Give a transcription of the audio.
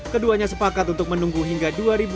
keduanya sepakat untuk menunggu hingga dua ribu dua puluh